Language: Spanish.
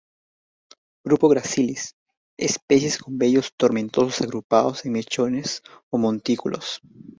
Grupo "gracilis": Especies con vellos tomentosos agrupados en mechones o montículos.